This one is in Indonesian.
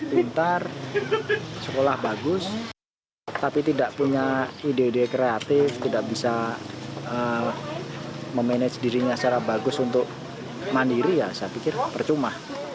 pintar sekolah bagus tapi tidak punya ide ide kreatif tidak bisa memanage dirinya secara bagus untuk mandiri ya saya pikir percuma